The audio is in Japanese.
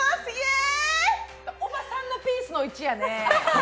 おばさんのピースの位置やねぇ。